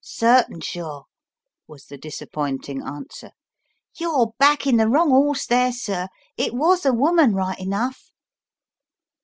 "Certain sure/' was the disappointing answer. "You're backing the wrong 'orse there, sir. It was a woman right enough."